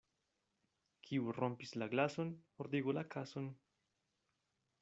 Kiu rompis la glason, ordigu la kason.